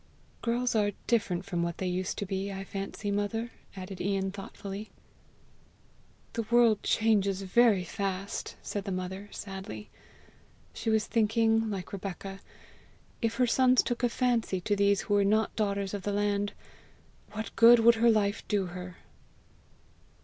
"Girls are different from what they used to be, I fancy, mother!" added Ian thoughtfully. "The world changes very fast!" said the mother sadly. She was thinking, like Rebecca, if her sons took a fancy to these who were not daughters of the land, what good would her life do her.